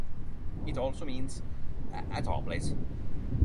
It also means, at our place.